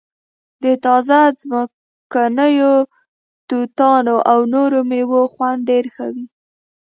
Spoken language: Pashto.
د تازه ځمکنیو توتانو او نورو میوو خوند ډیر ښه وي